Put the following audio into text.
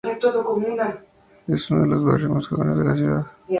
Es uno de los barrios más jóvenes de la ciudad.